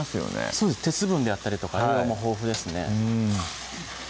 そうです鉄分であったりとか栄養も豊富ですね